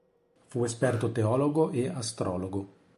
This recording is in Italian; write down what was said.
Fu esperto teologo e astrologo.